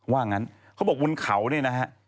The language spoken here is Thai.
ว่างั้นเขาบอกบนเขาเนี่ยนะฮะ